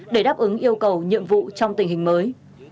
để đáp ứng yêu cầu nhiệm vụ trong tình hình mới